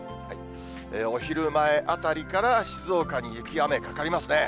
お昼前あたりから静岡に雪や雨、かかりますね。